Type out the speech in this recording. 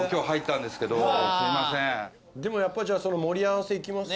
でもやっぱじゃあその盛り合わせいきます？